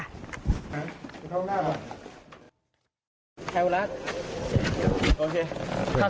ห้มไปข้างหน้าขอ